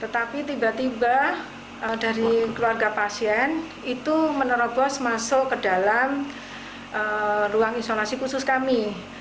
tetapi tiba tiba dari keluarga pasien itu menerobos masuk ke dalam ruang isolasi khusus kami